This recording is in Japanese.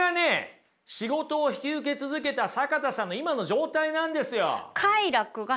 仕事を引き受け続けた坂田さんの今の状態なんですよ。